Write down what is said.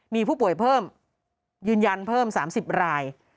มีผู้ป่วยเพิ่มยืนยันเพิ่ม๓๐ราย